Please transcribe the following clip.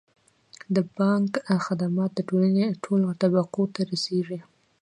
د بانک خدمات د ټولنې ټولو طبقو ته رسیږي.